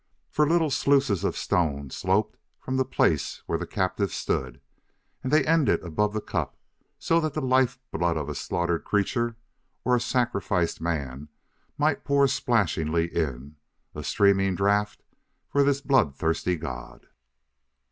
For little sluices of stone sloped from the place where the captives stood, and they ended above the cup so that the life blood of a slaughtered creature, or a sacrificed man, might pour splashingly in, a streaming draught for this blood thirsty god.